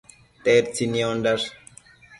Tedtsi niondash?